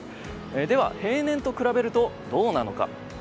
では、平年と比べるとどうなのか。